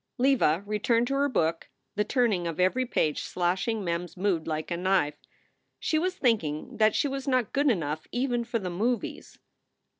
Leva returned to her book, the turning of every page slashing Mem s mood like a knife. She was thinking that she was not good enough even for the movies.